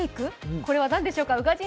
これは何でしょうか？